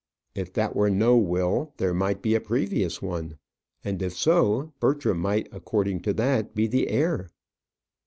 If that were no will, there might be a previous one; and if so, Bertram might, according to that, be the heir.